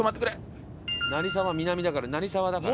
成沢南だから成沢だから。